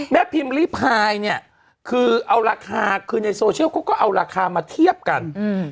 แม่พิมพ์ลิพัยขึ้นในโซเชลเขาก็เอาราคามาเทียบกัน